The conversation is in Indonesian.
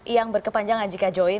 yang berkepanjangan jika join